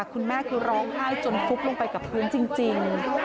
คุณแม่คือร้องไห้จนฟุบลงไปกับพื้นจริง